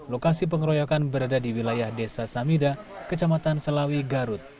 lokasi pengeroyokan berada di wilayah desa samida kecamatan selawi garut